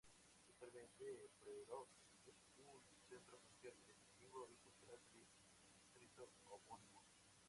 Actualmente, Přerov es un centro social, administrativo y cultural del distrito homónimo.